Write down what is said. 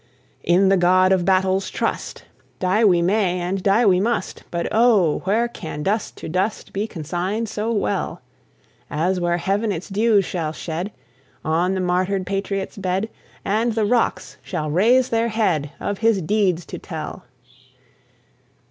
In the God of battles trust! Die we may, and die we must; But, O, where can dust to dust Be consigned so well, As where Heaven its dews shall shed On the martyred patriot's bed, And the rocks shall raise their head, Of his deeds to tell!